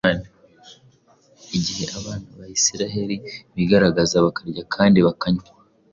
igihe abana ba isirayeri bicaraga bakarya kandi bakanywa,